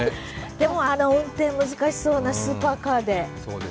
でもあの運転難しそうなスーパーカーで。